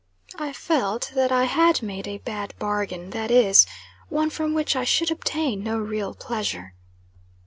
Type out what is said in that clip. I felt that I had made a bad bargain that is, one from which I should obtain no real pleasure.